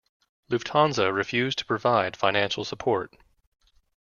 Lufthansa refused to provide financial support.